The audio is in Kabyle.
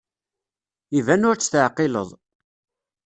Iban ur tt-teɛqileḍ.